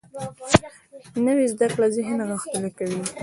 نوې زده کړه ذهن غښتلی کوي